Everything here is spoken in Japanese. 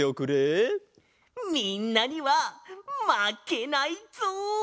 みんなにはまけないぞ！